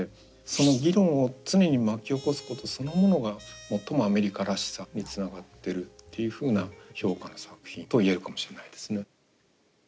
その議論を常に巻き起こすことそのものが最もアメリカらしさにつながってるっていうふうな評価の作品と言えるかもしれないですね。